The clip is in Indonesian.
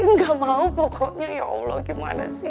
nggak mau pokoknya ya allah gimana sih